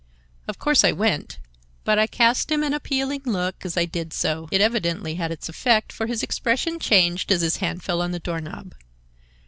Of course I went, but I cast him an appealing look as I did so. It evidently had its effect, for his expression changed as his hand fell on the doorknob.